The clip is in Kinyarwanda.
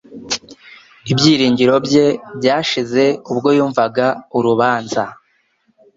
Ibyiringiro bye byashize ubwo yumvaga urubanza